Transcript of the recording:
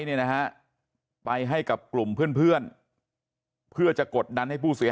เนี่ยนะฮะไปให้กับกลุ่มเพื่อนเพื่อจะกดดันให้ผู้เสีย